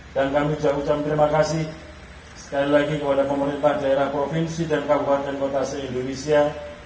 dan kami juga ucapkan terima kasih sekali lagi kepada pemerintah daerah provinsi dan kabupaten kota se indonesia